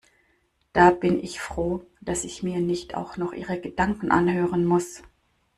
Da bin ich froh, dass ich mir nicht auch noch ihre Gedanken anhören muss.